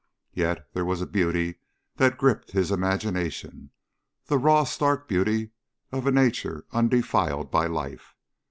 Yet there was a beauty that gripped his imagination; the raw, stark beauty of a nature undefiled by life.